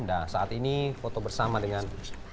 dan saat ini foto bersama dengan